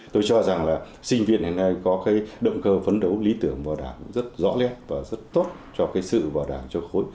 tôi cho rằng là sinh viên hiện nay có cái động cơ phấn đấu lý tưởng vào đảng rất rõ lét và rất tốt cho cái sự vào đảng cho khối